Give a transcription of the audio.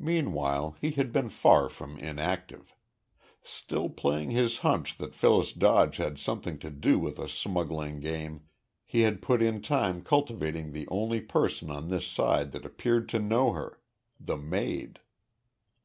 Meanwhile he had been far from inactive. Still playing his hunch that Phyllis Dodge had something to do with the smuggling game, he had put in time cultivating the only person on this side that appeared to know her the maid.